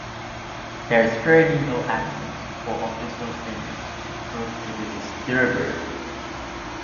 There is currently no evidence or official statements to prove if it was deliberate.